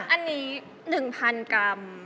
อันนี้๑๐๐กรัม